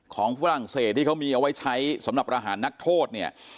ฝรั่งเศสที่เขามีเอาไว้ใช้สำหรับประหารนักโทษเนี่ย